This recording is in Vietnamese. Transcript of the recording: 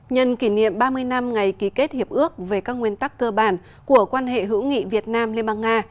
nhân kỷ niệm ba mươi năm ngày ký kết hiệp ước về các nguyên tắc cơ bản của quan hệ hữu nghị việt nam liên bang nga